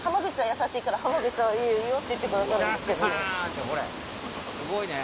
優しいから濱口さんは「いいよ」って言ってくださるんですけどね。